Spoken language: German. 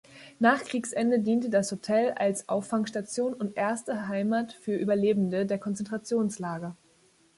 Nach Kriegsende diente das Hotel als Auffangstation und erste Heimat für Überlebende der Konzentrationslager.